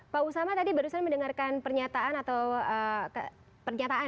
pak usama tadi barusan mendengarkan pernyataan dari mas adi praditno dan juga pak asep